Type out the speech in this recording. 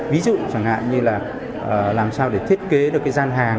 ví dụ chẳng hạn như là làm sao để thiết kế được cái gian hàng